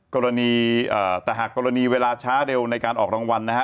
กรณีแต่หากกรณีเวลาช้าเร็วในการออกรางวัลนะฮะ